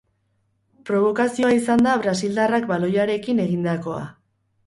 Probokazioa izan da brasildarrak baloiarekin egindakoa.